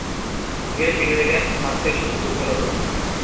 Great Britain ফ্রান্সের সাথে যুদ্ধরত।